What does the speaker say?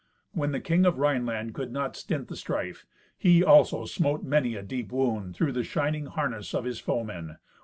When the King of Rhineland could not stint the strife, he, also, smote many a deep wound through the shining harness of his foemen.